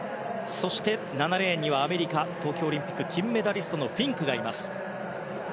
そして７レーンにはアメリカ東京オリンピック金メダリストフィンクがいます。